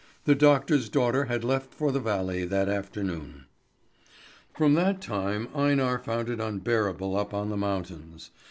The doctor's daughter had left for the valley that afternoon. From that time Einar found it unbearable up on the mountains.